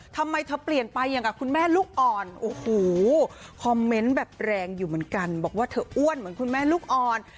ทำไมเธอเปลี่ยนไปอย่างกับคุณแม่ลูกอ่อนโอ้โหคอมเมนต์แบบแรงอยู่เหมือนกันบอกว่าเธออ้วนเหมือนคุณแม่ลูกอ่อน